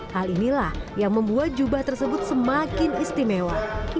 hal inilah yang membuat jubah tersebut menjadi suatu kemampuan